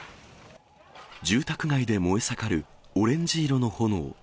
住宅街で燃え盛る、オレンジ色の炎。